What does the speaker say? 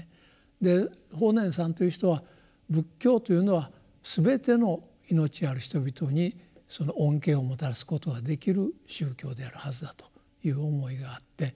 で法然さんという人は仏教というのは全ての命ある人々にその恩恵をもたらすことができる宗教であるはずだという思いがあって。